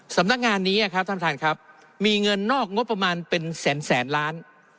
สำนักงานนี้ครับท่านประธานครับมีเงินนอกงบประมาณเป็นแสนแสนล้าน